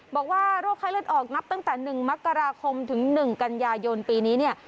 บอกว่าโรคไข้เลือดออกนับตั้งแต่๑มกราคมถึง๑กันยายนปีนี้เนี่ย